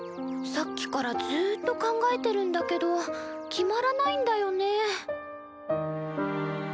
さっきからずっと考えてるんだけど決まらないんだよね。